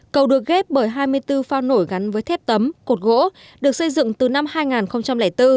cầu được ghép bởi hai mươi bốn phao nổi gắn với thép tấm cột gỗ được xây dựng từ năm hai nghìn bốn